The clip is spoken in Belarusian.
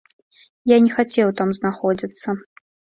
Я не хацеў там знаходзіцца.